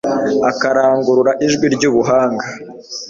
Akarangurura ijwi ryubuhanga